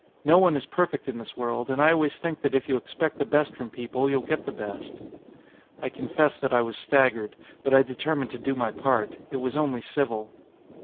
No one is perfect in this world and I always think that if you expect the best from people you'll get the best." I confess that I was staggered, but I determined to do my part. It was only civil.